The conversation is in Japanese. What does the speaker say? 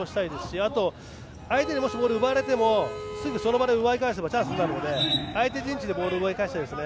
あと、相手にボールを奪われてもすぐ奪い返せばチャンスになるので相手陣地でボールを奪い返したいですね。